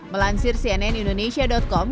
melansir cnn indonesia com